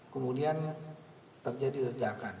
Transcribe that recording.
kemudian terjadi kerjakan